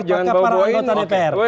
apakah para anggota dpr